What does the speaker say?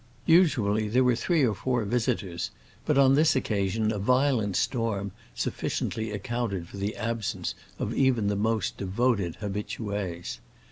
Usually there were three or four visitors, but on this occasion a violent storm sufficiently accounted for the absence of even the most devoted habitués.